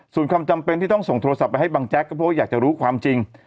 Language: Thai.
ส่วนความจำเป็นที่ต้องส่งโทรศัพท์ไปให้บังแจ๊กก็เพราะว่าอยากจะรู้ความจริง